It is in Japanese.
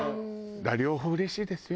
だから両方うれしいですよ。